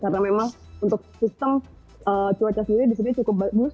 karena memang untuk sistem cuaca sendiri disini cukup bagus